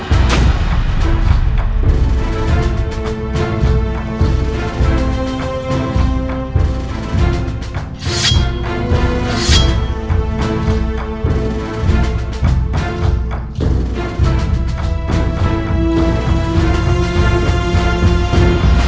kau tidak bisa